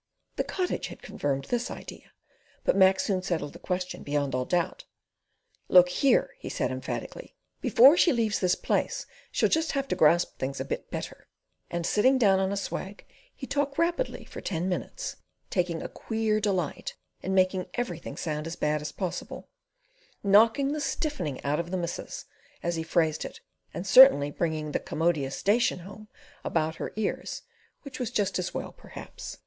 The Cottage had confirmed this idea, but Mac soon settled the question beyond all doubt. "Look here!" he said emphatically. "Before she leaves this place she'll just have to grasp things a bit better," and sitting down on a swag he talked rapidly for ten minutes, taking a queer delight in making everything sound as bad as possible, "knocking the stiffening out of the missus," as he phrased it, and certainly bringing the "commodious station home" about her ears, which was just as well, perhaps.